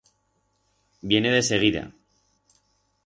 Viene deseguida.